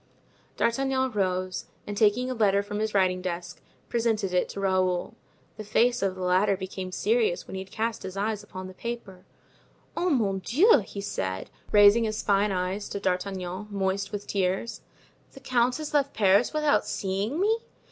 D'Artagnan rose, and taking a letter from his writing desk, presented it to Raoul. The face of the latter became serious when he had cast his eyes upon the paper. "Oh, mon Dieu!" he said, raising his fine eyes to D'Artagnan, moist with tears, "the count has left Paris without seeing me?"